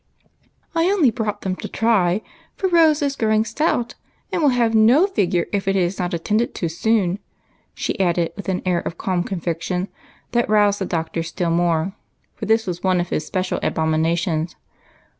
" I only brought them to try, for Rose is growing stout, and will have no figure if it is not attended to soon " she added, with an air of calm conviction that roused the Doctor slill more, for this was one of his especial abom inations.